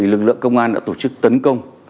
lực lượng công an đã tổ chức tấn công